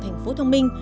thành phố thông minh